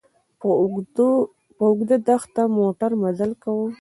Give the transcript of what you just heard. پر اوږده دښته موټر مزل کاوه.